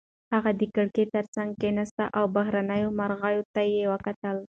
هغه د کړکۍ تر څنګ کېناسته او بهرنیو مرغیو ته یې وکتل.